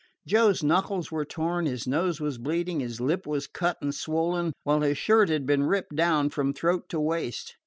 Joe's knuckles were torn, his nose was bleeding, his lip was cut and swollen, while his shirt had been ripped down from throat to waist.